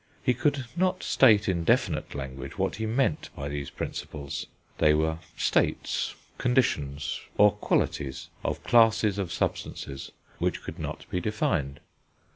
He could not state in definite language what he meant by these Principles; they were states, conditions, or qualities, of classes of substances, which could not be defined.